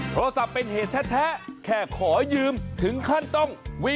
โทรศัพท์เป็นเหตุแท้แค่ขอยืมถึงขั้นต้อง